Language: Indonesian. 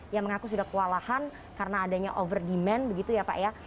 yang mengaku sudah kewalahan karena adanya over demand begitu ya pak ya